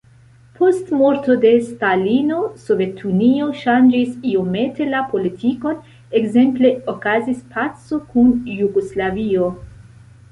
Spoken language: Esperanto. Post morto de Stalino Sovetunio ŝanĝis iomete la politikon, ekzemple okazis paco kun Jugoslavio.